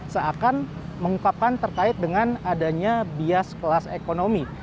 seakan mengungkapkan terkait dengan adanya bias kelas ekonomi